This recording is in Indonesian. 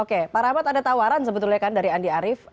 oke pak rahmat ada tawaran sebetulnya kan dari andi arief